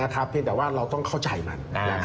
แต่ว่าเราต้องเข้าใจมัน